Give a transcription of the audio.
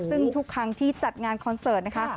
ซึ่งทุกครั้งที่จัดงานคอนเสิร์ตนะคะ